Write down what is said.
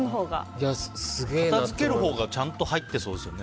片づけるほうがちゃんと入ってそうですよね。